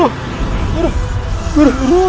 tidur tidur tidur